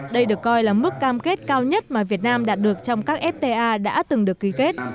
đây được coi là mức cam kết cao nhất mà việt nam đạt được trong các fta đã từng được ký kết